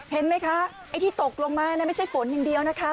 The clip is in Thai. เห็นไหมคะไอ้ที่ตกลงมาไม่ใช่ฝนอย่างเดียวนะคะ